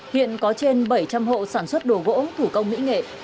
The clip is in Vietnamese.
hiện có trên bảy trăm linh hộ sản xuất đồ gỗ thủ công mỹ nghệ